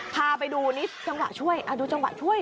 พาไปดูนี่จังหวะช่วยดูจังหวะช่วย